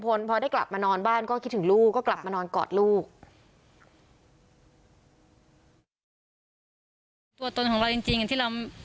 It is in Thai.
คือที่มันมีการได้รับโอกาสที่ดี